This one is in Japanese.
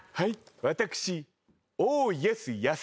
私。